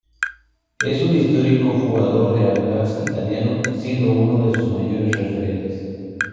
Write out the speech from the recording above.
Es un histórico jugador de Audax Italiano, siendo uno de sus mayores referentes.